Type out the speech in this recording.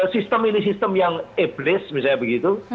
sistem ini sistem yang iblis misalnya begitu